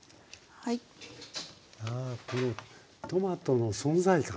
あこのトマトの存在感。